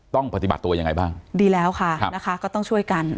ขอบคุณค่ะ